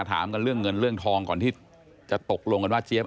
ถามกันเรื่องเงินเรื่องทองก่อนที่จะตกลงกันว่าเจี๊ยบ